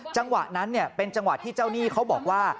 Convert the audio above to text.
จังหวะนั้นเป็นจังหวะที่เจ้าหนี้เขาบอกว่า